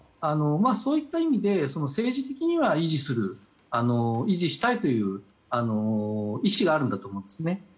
そういった意味で政治的には維持したいという意思があるんだと思うんですね。